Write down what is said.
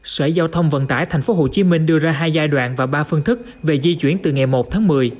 sở giao thông vận tải tp hcm đưa ra hai giai đoạn và ba phương thức về di chuyển từ ngày một tháng một mươi